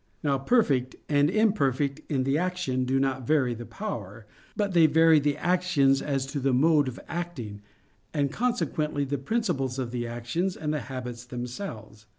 Now perfect and imperfect in the action do not vary the power, but they vary the actions as to the mode of acting, and consequently the principles of the actions and the habits themselves.